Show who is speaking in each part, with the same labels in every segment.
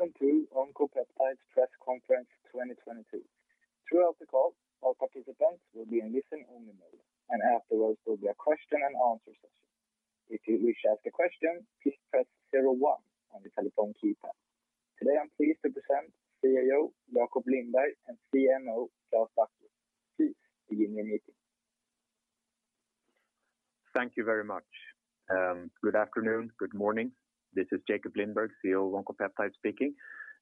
Speaker 1: Welcome to Oncopeptides press conference 2022. Throughout the call, all participants will be in listen-only mode, and afterwards there'll be a question and answer session. If you wish to ask a question, please press zero one on your telephone keypad. Today I'm pleased to present CEO Jakob Lindberg and CMO Klaas Bakker. Please begin your meeting.
Speaker 2: Thank you very much. Good afternoon, good morning. This is Jakob Lindberg, CEO of Oncopeptides speaking.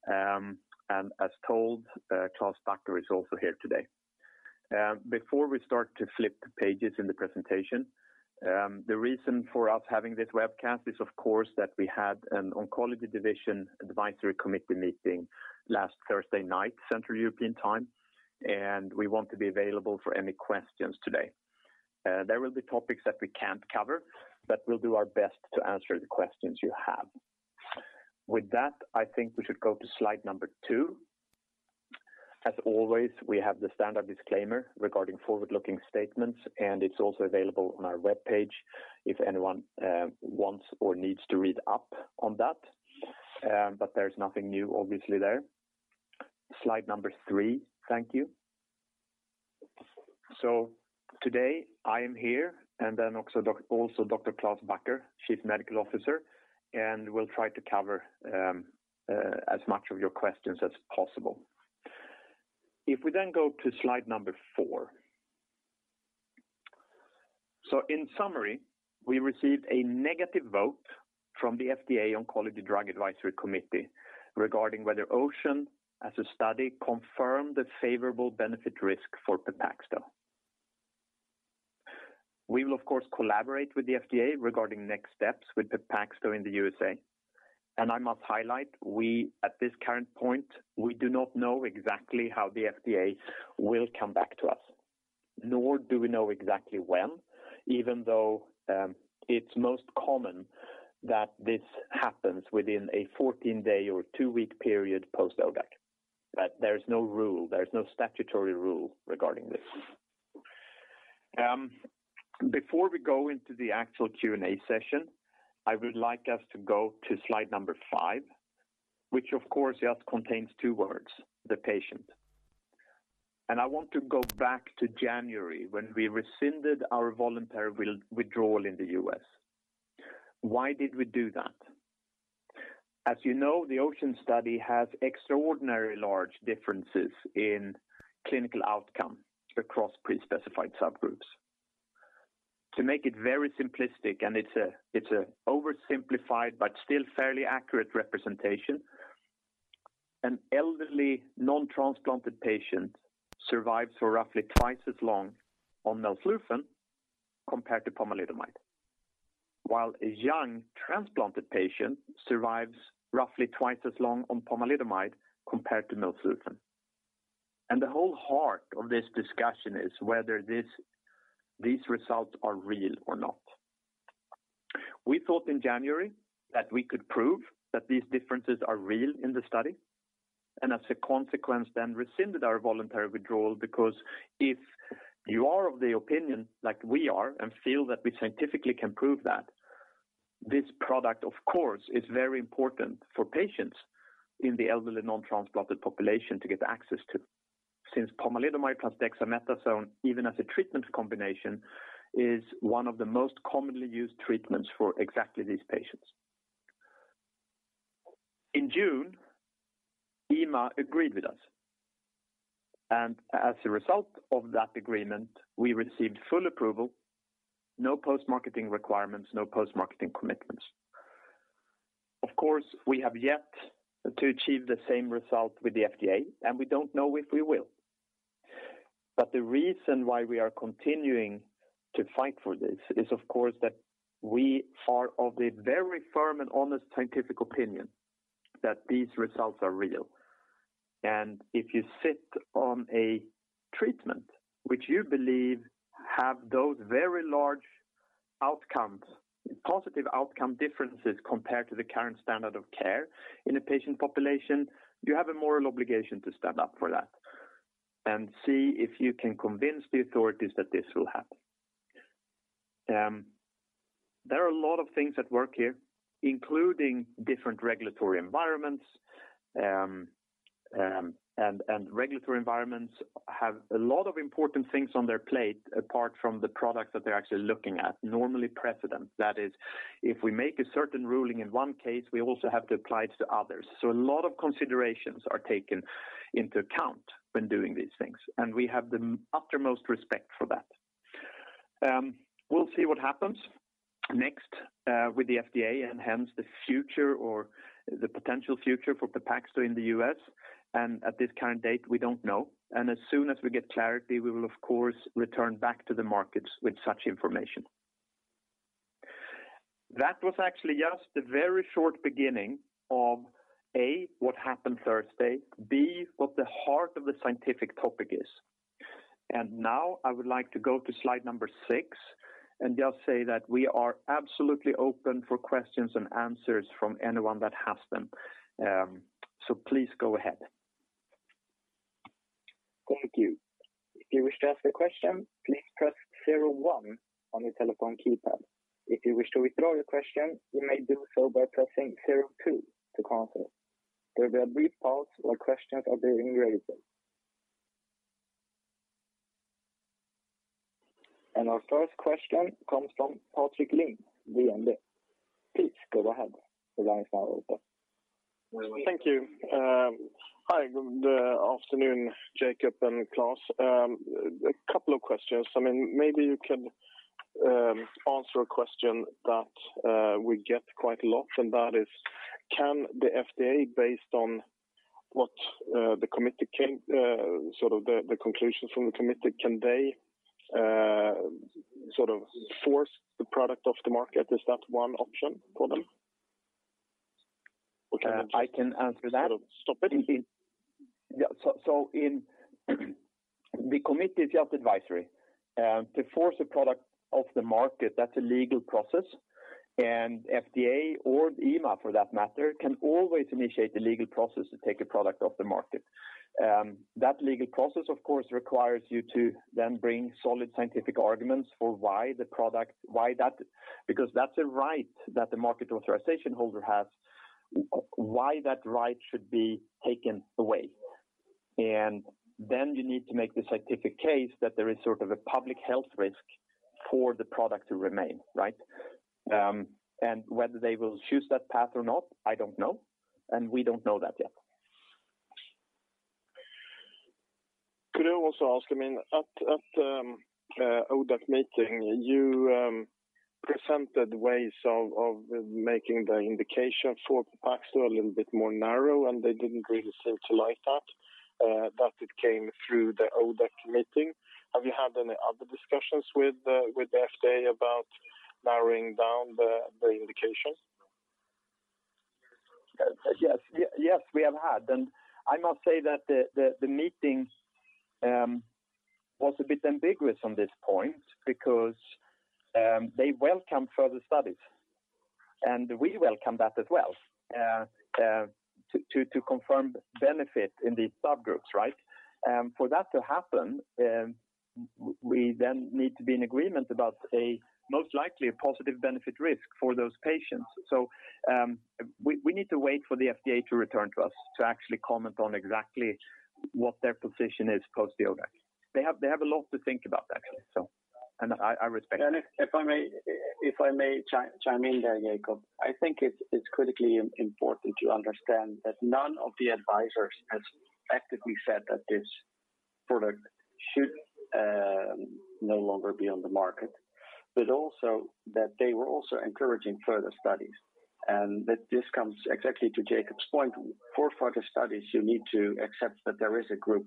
Speaker 2: As told, Klaas Bakker is also here today. Before we start to flip the pages in the presentation, the reason for us having this webcast is of course, that we had an Oncologic Drugs Advisory Committee meeting last Thursday night, Central European Time, and we want to be available for any questions today. There will be topics that we can't cover, but we'll do our best to answer the questions you have. With that, I think we should go to slide number two. As always, we have the standard disclaimer regarding forward-looking statements, and it's also available on our webpage if anyone wants or needs to read up on that. There's nothing new obviously there. Slide number three. Thank you. Today I am here and then also Dr. Klaas Bakker, Chief Medical Officer, and we'll try to cover as much of your questions as possible. If we then go to slide number four. In summary, we received a negative vote from the FDA Oncologic Drugs Advisory Committee regarding whether OCEAN as a study confirmed the favorable benefit risk for Pepaxto. We will of course collaborate with the FDA regarding next steps with Pepaxto in the USA. I must highlight, we at this current point, we do not know exactly how the FDA will come back to us, nor do we know exactly when, even though it's most common that this happens within a 14-day or two-week period post-ODAC. There is no rule, there is no statutory rule regarding this. Before we go into the actual Q&A session, I would like us to go to slide number five, which of course just contains two words, the patient. I want to go back to January when we rescinded our voluntary withdrawal in the US. Why did we do that? As you know, the OCEAN study has extraordinarily large differences in clinical outcome across pre-specified subgroups. To make it very simplistic, and it's a oversimplified but still fairly accurate representation, an elderly non-transplanted patient survives for roughly twice as long on melflufen compared to pomalidomide. While a young transplanted patient survives roughly twice as long on pomalidomide compared to melflufen. The whole heart of this discussion is whether these results are real or not. We thought in January that we could prove that these differences are real in the study, and as a consequence, then rescinded our voluntary withdrawal because if you are of the opinion like we are and feel that we scientifically can prove that, this product, of course, is very important for patients in the elderly non-transplanted population to get access to. Since pomalidomide plus dexamethasone, even as a treatment combination, is one of the most commonly used treatments for exactly these patients. In June, EMA agreed with us, and as a result of that agreement, we received full approval, no post-marketing requirements, no post-marketing commitments. Of course, we have yet to achieve the same result with the FDA, and we don't know if we will. The reason why we are continuing to fight for this is of course, that we are of the very firm and honest scientific opinion that these results are real. If you sit on a treatment which you believe have those very large outcomes, positive outcome differences compared to the current standard of care in a patient population, you have a moral obligation to stand up for that and see if you can convince the authorities that this will happen. There are a lot of things at work here, including different regulatory environments, and regulatory environments have a lot of important things on their plate apart from the product that they're actually looking at, normally precedent. That is, if we make a certain ruling in one case, we also have to apply it to others. A lot of considerations are taken into account when doing these things, and we have the utmost respect for that. We'll see what happens next with the FDA and hence the future or the potential future for Pepaxto in the US. At this current date, we don't know. As soon as we get clarity, we will of course return back to the markets with such information. That was actually just the very short beginning of A, what happened Thursday, B, what the heart of the scientific topic is. Now I would like to go to slide number six and just say that we are absolutely open for questions and answers from anyone that has them. Please go ahead.
Speaker 1: Thank you. If you wish to ask a question, please press zero-one on your telephone keypad. If you wish to withdraw your question, you may do so by pressing zero-two to cancel. There'll be a brief pause while questions are being raised. Our first question comes from Patrick Uhlen, DNB. Please go ahead. The line is now open.
Speaker 3: Thank you. Hi, good afternoon, Jakob and Klaas. A couple of questions. I mean, maybe you can answer a question that we get quite a lot, and that is, can the FDA, based on what the committee came sort of the conclusions from the committee, can they sort of force the product off the market? Is that one option for them?
Speaker 2: I can answer that.
Speaker 3: Sort of stop it.
Speaker 2: The committee is just advisory. To force a product off the market, that's a legal process. FDA or EMA, for that matter, can always initiate the legal process to take a product off the market. That legal process, of course, requires you to then bring solid scientific arguments for why the product. Because that's a right that the market authorization holder has, why that right should be taken away. You need to make the scientific case that there is sort of a public health risk for the product to remain, right? Whether they will choose that path or not, I don't know, and we don't know that yet.
Speaker 3: Could I also ask, I mean, at the ODAC meeting, you presented ways of making the indication for Pepaxto a little bit more narrow, and they didn't really seem to like that it came through the ODAC meeting. Have you had any other discussions with the FDA about narrowing down the indication?
Speaker 2: Yes, we have had. I must say that the meeting was a bit ambiguous on this point because they welcome further studies, and we welcome that as well, to confirm benefit in these subgroups, right? For that to happen, we then need to be in agreement about a most likely positive benefit risk for those patients. We need to wait for the FDA to return to us to actually comment on exactly what their position is post-ODAC. They have a lot to think about actually. I respect that.
Speaker 4: If I may chime in there, Jakob, I think it's critically important to understand that none of the advisors has actively said that this product should no longer be on the market, but also that they were also encouraging further studies. That this comes exactly to Jakob's point. For further studies, you need to accept that there is a group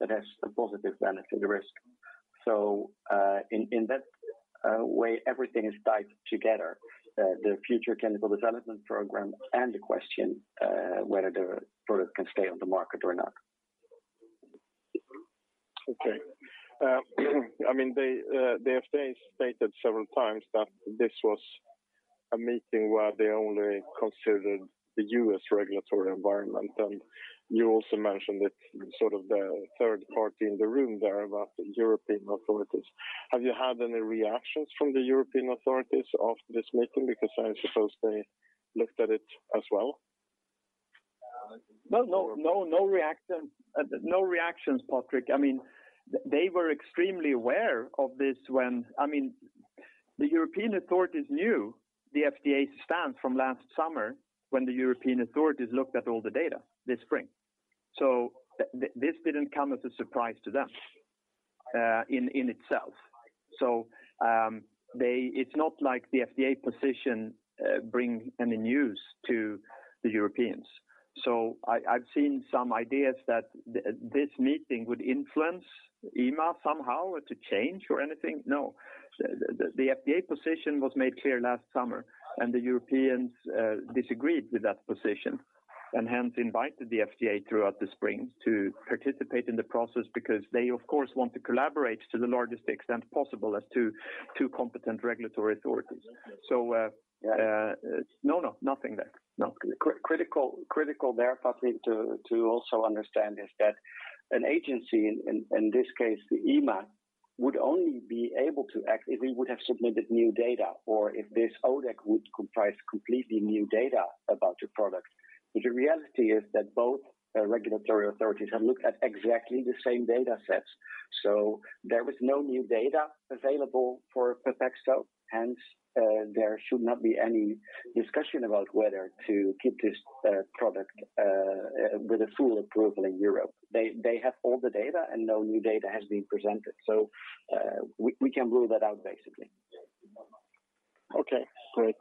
Speaker 4: that has a positive benefit and risk. In that way, everything is tied together, the future clinical development program and the question whether the product can stay on the market or not.
Speaker 3: Okay. I mean, they, the FDA stated several times that this was a meeting where they only considered the US regulatory environment. You also mentioned it, sort of the third party in the room there about the European authorities. Have you had any reactions from the European authorities of this meeting? Because I suppose they looked at it as well.
Speaker 2: No reactions, Patrick. I mean, they were extremely aware of this when I mean, the European authorities knew the FDA's stance from last summer when the European authorities looked at all the data this spring. This didn't come as a surprise to them in itself. It's not like the FDA position bring any news to the Europeans. I've seen some ideas that this meeting would influence EMA somehow to change or anything. No. The FDA position was made clear last summer, and the Europeans disagreed with that position and hence invited the FDA throughout the spring to participate in the process because they, of course, want to collaborate to the largest extent possible as two competent regulatory authorities. Yeah. No, no. Nothing there. No. Critical there, Patrick, to also understand is that an agency, in this case, the EMA, would only be able to act if we would have submitted new data or if this ODAC would comprise completely new data about the product. The reality is that both regulatory authorities have looked at exactly the same data sets, so there was no new data available for Pepaxto, hence there should not be any discussion about whether to keep this product with a full approval in Europe. They have all the data, and no new data has been presented. We can rule that out, basically.
Speaker 3: Okay, great.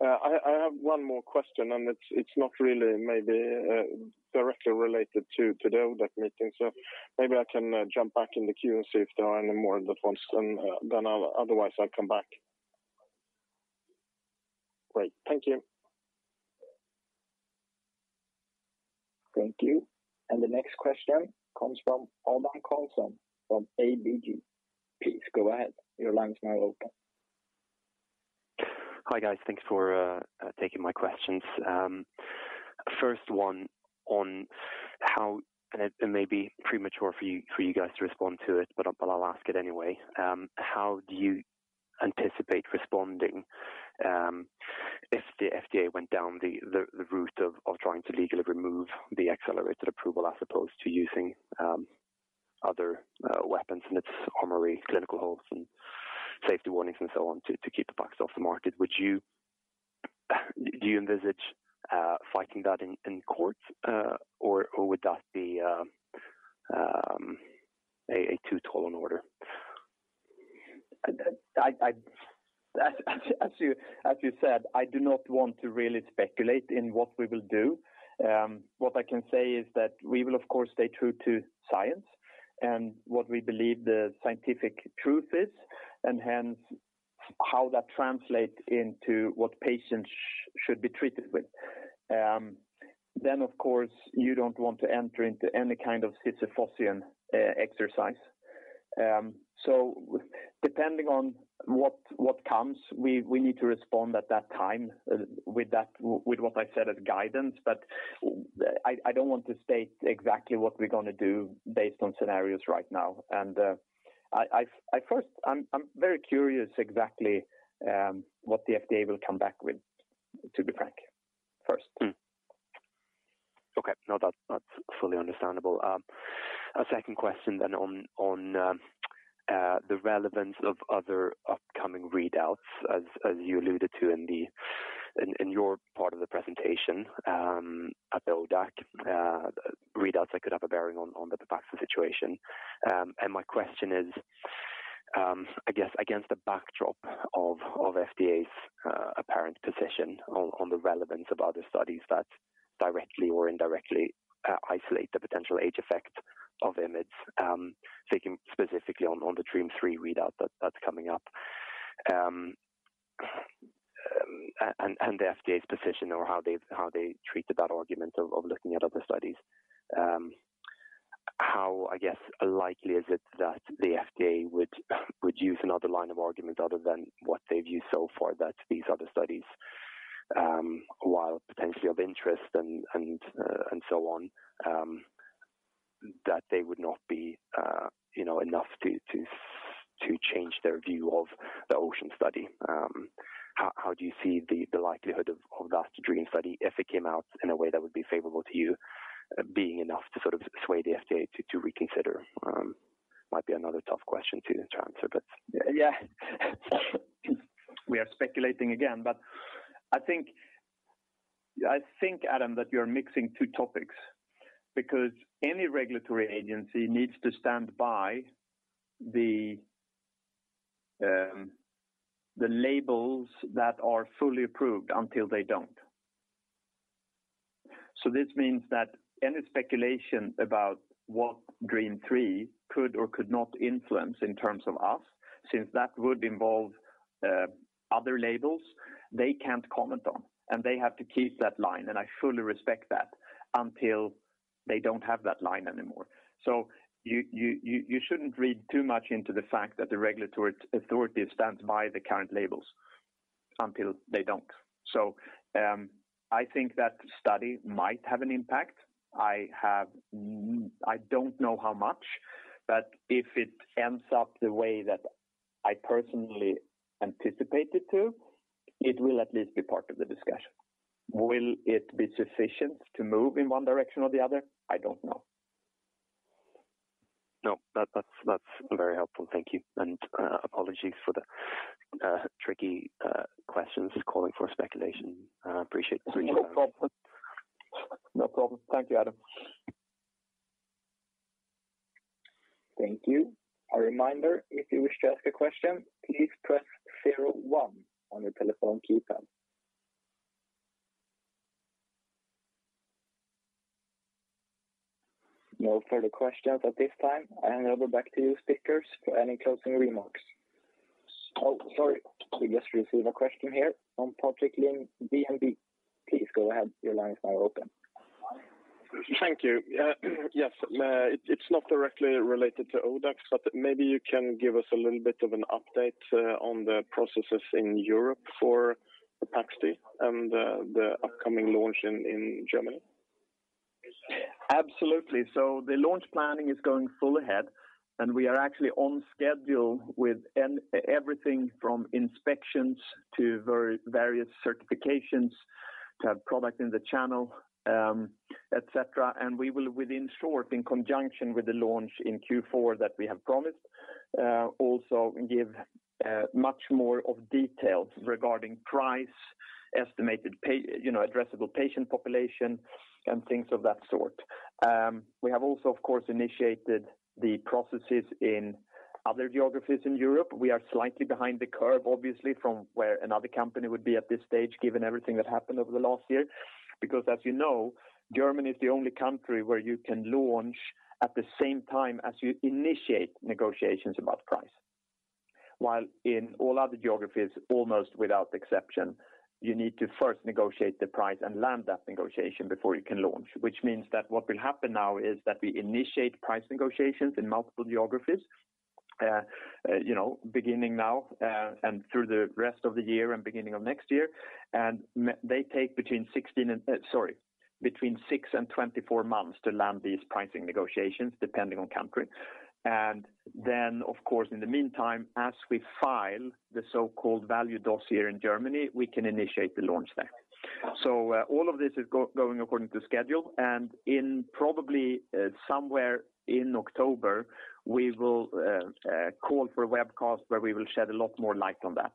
Speaker 3: I have one more question, and it's not really maybe directly related to today with that meeting. Maybe I can jump back in the queue and see if there are any more that wants and then I'll otherwise come back. Great. Thank you.
Speaker 1: Thank you. The next question comes from Adam Karlsson from ABG. Please go ahead. Your line's now open.
Speaker 5: Hi guys. Thanks for taking my questions. First one on how and it may be premature for you guys to respond to it, but I'll ask it anyway. How do you anticipate responding if the FDA went down the route of trying to legally remove the accelerated approval as opposed to using other weapons in its armory, clinical holds and safety warnings and so on to keep the box off the market? Do you envisage fighting that in court or would that be a too tall an order?
Speaker 2: As you said, I do not want to really speculate in what we will do. What I can say is that we will, of course, stay true to science and what we believe the scientific truth is, and hence how that translates into what patients should be treated with. Of course, you don't want to enter into any kind of Sisyphean exercise. Depending on what comes, we need to respond at that time with what I said as guidance. I don't want to state exactly what we're gonna do based on scenarios right now. First, I'm very curious exactly what the FDA will come back with, to be frank first.
Speaker 5: Okay. No, that's fully understandable. A second question on the relevance of other upcoming readouts as you alluded to in your part of the presentation at ODAC readouts that could have a bearing on the Pepaxto situation. My question is, I guess against the backdrop of FDA's apparent position on the relevance of other studies that directly or indirectly isolate the potential efficacy of IMiDs, thinking specifically on the DREAMM-3 readout that's coming up. The FDA's position or how they've treated that argument of looking at other studies. How, I guess, likely is it that the FDA would use another line of argument other than what they've used so far that these other studies, while potentially of interest and so on, that they would not be, you know, enough to change their view of the OCEAN study. How do you see the likelihood of that DREAM study if it came out in a way that would be favorable to you, being enough to sort of sway the FDA to reconsider? Might be another tough question to answer, but.
Speaker 2: Yeah. We are speculating again, but I think Arman that you're mixing two topics because any regulatory agency needs to stand by the labels that are fully approved until they don't. This means that any speculation about what DREAMM-3 could or could not influence in terms of us, since that would involve other labels they can't comment on, and they have to keep that line, and I fully respect that until they don't have that line anymore. You shouldn't read too much into the fact that the regulatory authority stands by the current labels until they don't. I think that study might have an impact. I don't know how much, but if it ends up the way that I personally anticipate it to, it will at least be part of the discussion. Will it be sufficient to move in one direction or the other? I don't know.
Speaker 5: No, that's very helpful. Thank you. Apologies for the tricky questions calling for speculation. Appreciate the
Speaker 2: No problem. Thank you, Adam Karlsson.
Speaker 1: Thank you. A reminder, if you wish to ask a question, please press zero one on your telephone keypad. No further questions at this time. I hand over back to you speakers for any closing remarks. Oh, sorry. We just received a question here from Patrick Uhlen, DNB. Please go ahead. Your line is now open.
Speaker 3: Thank you. Yes. It's not directly related to ODAC, but maybe you can give us a little bit of an update on the processes in Europe for Pepaxti and the upcoming launch in Germany.
Speaker 2: Absolutely. The launch planning is going full ahead, and we are actually on schedule with everything from inspections to various certifications to have product in the channel, et cetera. We will within short, in conjunction with the launch in Q4 that we have promised, also give much more of details regarding price, estimated, you know, addressable patient population and things of that sort. We have also, of course, initiated the processes in other geographies in Europe. We are slightly behind the curve, obviously, from where another company would be at this stage, given everything that happened over the last year. Because as you know, Germany is the only country where you can launch at the same time as you initiate negotiations about price. While in all other geographies, almost without exception, you need to first negotiate the price and land that negotiation before you can launch. Which means that what will happen now is that we initiate price negotiations in multiple geographies. You know, beginning now, and through the rest of the year and beginning of next year. They take between six and 24 months to land these pricing negotiations depending on country. Then, of course, in the meantime, as we file the so-called value dossier in Germany, we can initiate the launch there. All of this is going according to schedule. In probably somewhere in October, we will call for a webcast where we will shed a lot more light on that.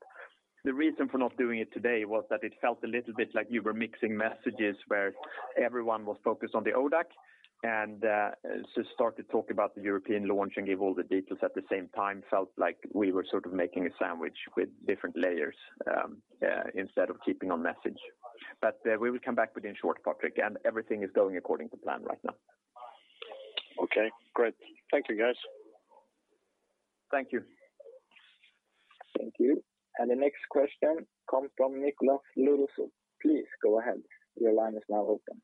Speaker 2: The reason for not doing it today was that it felt a little bit like you were mixing messages where everyone was focused on the ODAC and to start to talk about the European launch and give all the details at the same time felt like we were sort of making a sandwich with different layers instead of keeping on message. We will come back within short, Patrick, and everything is going according to plan right now.
Speaker 3: Okay, great. Thank you, guys.
Speaker 2: Thank you.
Speaker 1: Thank you. The next question come from Nick Lorusso. Please go ahead. Your line is now open.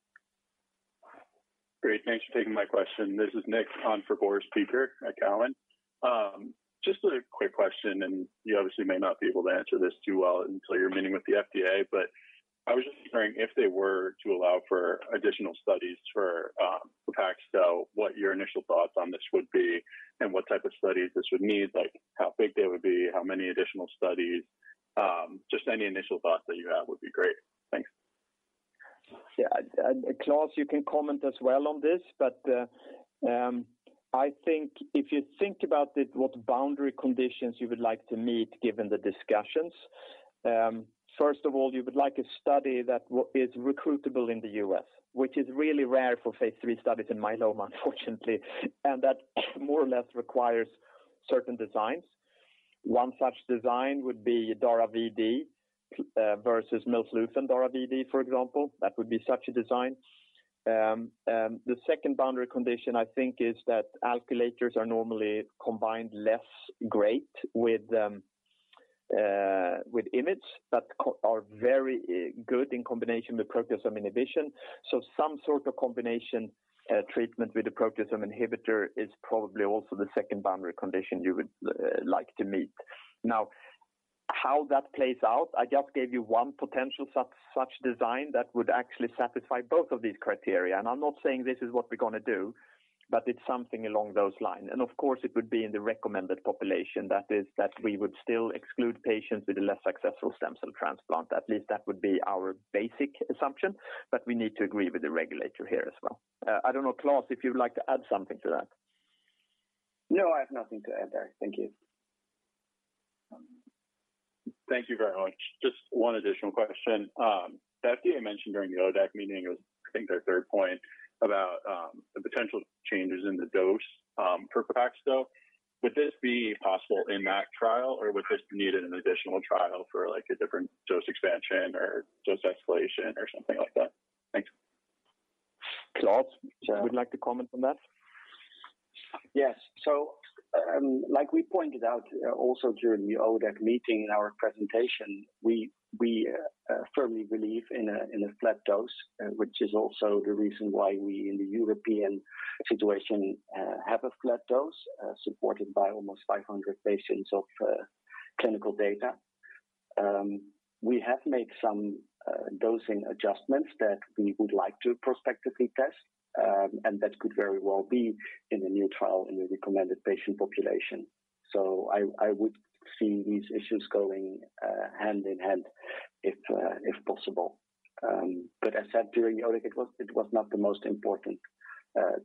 Speaker 6: Great. Thanks for taking my question. This is Nick on for Boris Peaker at Cowen. Just a quick question, and you obviously may not be able to answer this too well until you're meeting with the FDA. I was just wondering if they were to allow for additional studies for Pepaxto, what your initial thoughts on this would be and what type of studies this would need, like how big they would be, how many additional studies, just any initial thoughts that you have would be great. Thanks.
Speaker 2: Yeah. Klaas, you can comment as well on this, but I think if you think about it, what boundary conditions you would like to meet given the discussions, first of all, you would like a study that is recruitable in the US, which is really rare for phase III studies in myeloma, unfortunately. That more or less requires certain designs. One such design would be Dara VD versus melflufen and Dara VD, for example. That would be such a design. The second boundary condition, I think, is that alkylators are normally combined less great with IMiDs, but are very good in combination with proteasome inhibition. Some sort of combination treatment with the proteasome inhibitor is probably also the second boundary condition you would like to meet. Now, how that plays out, I just gave you one potential such design that would actually satisfy both of these criteria. I'm not saying this is what we're gonna do, but it's something along those lines. Of course, it would be in the recommended population. That is, that we would still exclude patients with a less successful stem cell transplant. At least that would be our basic assumption, but we need to agree with the regulator here as well. I don't know, Klaas, if you'd like to add something to that.
Speaker 4: No, I have nothing to add there. Thank you.
Speaker 6: Thank you very much. Just one additional question. The FDA mentioned during the ODAC meeting, it was I think their third point about, the potential changes in the dose, for Pepaxto. Would this be possible in that trial, or would this need an additional trial for, like, a different dose expansion or dose escalation or something like that? Thanks.
Speaker 2: Klaas, would you like to comment on that?
Speaker 4: Yes. Like we pointed out also during the ODAC meeting in our presentation, we firmly believe in a flat dose, which is also the reason why we in the European situation have a flat dose supported by almost 500 patients of clinical data. We have made some dosing adjustments that we would like to prospectively test, and that could very well be in a new trial in the recommended patient population. I would see these issues going hand in hand if possible. As said during ODAC, it was not the most important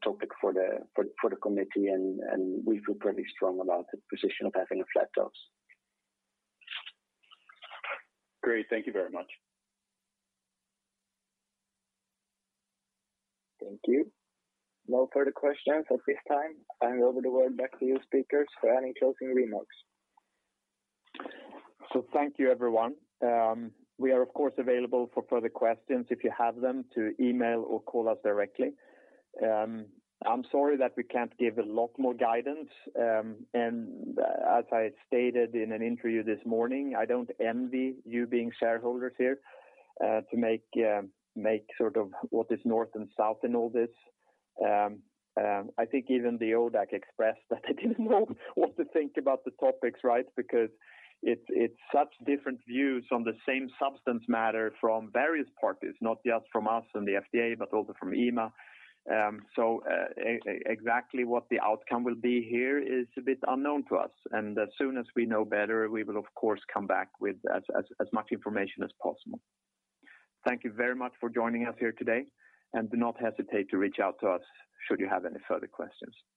Speaker 4: topic for the committee, and we feel pretty strong about the position of having a flat dose.
Speaker 6: Great. Thank you very much.
Speaker 1: Thank you. No further questions at this time. I hand over the word back to you speakers for any closing remarks.
Speaker 2: Thank you, everyone. We are, of course, available for further questions if you have them to email or call us directly. I'm sorry that we can't give a lot more guidance, and as I stated in an interview this morning, I don't envy you being shareholders here, to make sort of what is north and south in all this. I think even the ODAC expressed that they didn't know what to think about the topics, right? Because it's such different views on the same substance matter from various parties, not just from us and the FDA, but also from EMA. Exactly what the outcome will be here is a bit unknown to us. As soon as we know better, we will of course come back with as much information as possible. Thank you very much for joining us here today, and do not hesitate to reach out to us should you have any further questions. Thank you.